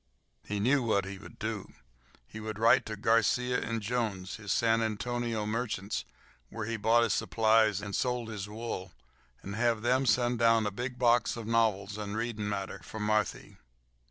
He knew what he would do. He would write to Garcia & Jones, his San Antonio merchants where he bought his supplies and sold his wool, and have them send down a big box of novels and reading matter for Marthy.